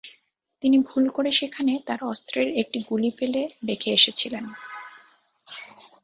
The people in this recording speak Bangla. তিনি ভুল করে সেখানে তাঁর অস্ত্রের একটি গুলি ফেলে রেখে এসেছিলেন।